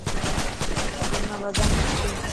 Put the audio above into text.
ائي ۾ وزن کهٽي.